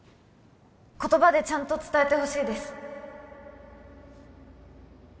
言葉でちゃんと伝えてほしいです